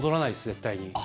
絶対に。